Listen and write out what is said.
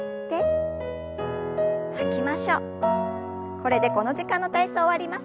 これでこの時間の体操終わります。